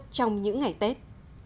trong những ngày tết